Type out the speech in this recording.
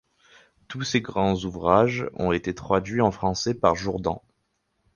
Tous ses grands ouvrages ont été traduits en français par Jourdan.